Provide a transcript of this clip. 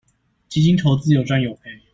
基金投資有賺有賠